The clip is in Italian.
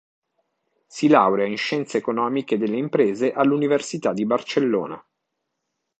Si laurea in Scienze Economiche delle Imprese all'Università di Barcellona.